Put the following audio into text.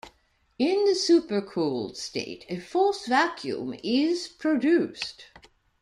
In the supercooled state, a false vacuum is produced.